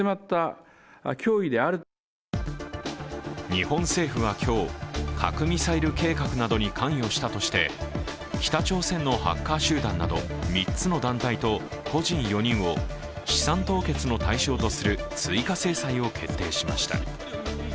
日本政府は今日、核・ミサイル計画などに関与したとして北朝鮮のハッカー集団など３つの団体と個人４人を資産凍結の対象とする追加制裁を決定しました。